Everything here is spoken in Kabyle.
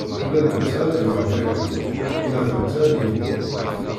Ula d netta ad yuɣal d agdud, ula d netta ad yimɣur.